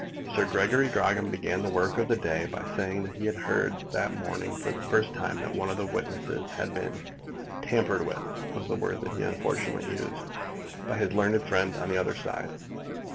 Sir Gregory Grogram began the work of the day by saying that he had heard that morning for the first time that one of his witnesses had been, "tampered with" was the word that he unfortunately used, by his learned friend on the other side.